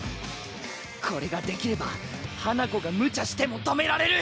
これができれば花子がむちゃしても止められる。